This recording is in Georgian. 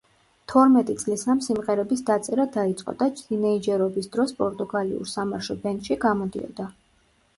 თორმეტი წლისამ სიმღერების დაწერა დაიწყო, და თინეიჯერობის დროს პორტუგალიურ სამარშო ბენდში გამოდიოდა.